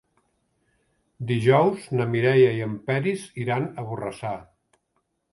Dijous na Mireia i en Peris iran a Borrassà.